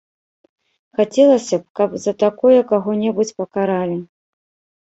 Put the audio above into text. Хацелася б, каб за такое каго-небудзь пакаралі.